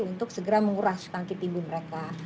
untuk segera menguras tangki timbun mereka